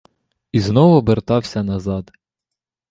І знов обертався назад.